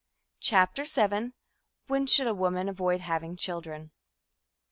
CHAPTER VII WHEN SHOULD A WOMAN AVOID HAVING CHILDREN?